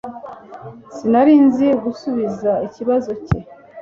Sinari nzi gusubiza ikibazo cye